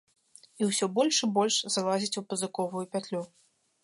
І ўсё больш і больш залазіць у пазыковую пятлю.